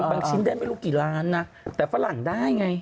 ชิ้นได้ไม่รู้กี่ล้านนะแต่ฝรั่งได้ไง